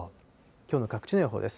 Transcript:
きょうの各地の予報です。